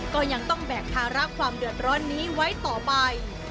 ก็ยังต้องแบกภาระความเดือดร้อนนี้ไว้ต่อไป